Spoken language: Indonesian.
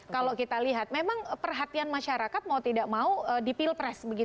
kalau kita lihat memang perhatian masyarakat mau tidak mau di pilpres